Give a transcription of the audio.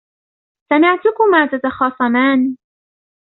سمعتكما تتخاصمان.